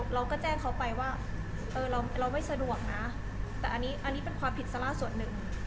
เราก็แจ้งเขาไปว่าเราไม่สะดวกนะแต่อันนี้เป็นความผิดซาร่าส่วนหนึ่ง